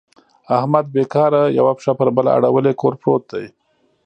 احمد بېکاره یوه پښه په بله اړولې کور پورت دی.